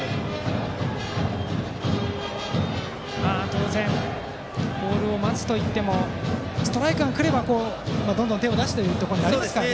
当然ボールを待つといってもストライクが来ればどんどん手を出すということになりますかね。